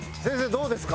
どうですか？